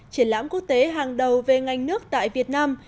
triển lãm quốc tế hàng đầu về ngành nước tại việt nam